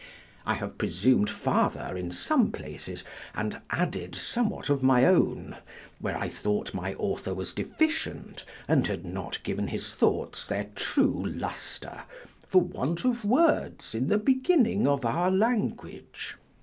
I have presumed farther, in some places, and added somewhat of my own where I thought my author was deficient, and had not given his thoughts their true luster, for want of words in the beginning of our language.